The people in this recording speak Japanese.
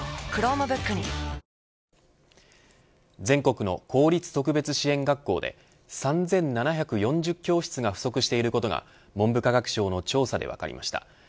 全国の公立特別支援学校で３７４０教室が不足していることが文部科学省の調査で分かりました。